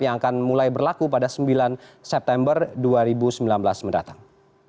yang akan mulai berlaku pada sembilan september dua ribu sembilan belas mendatang